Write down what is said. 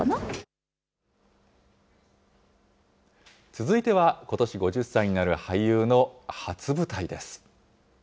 続いては、ことし５０歳になる俳優の初舞台です。